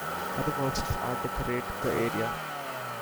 Other works of art decorate the area.